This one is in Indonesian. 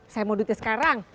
saya mau duitnya sekarang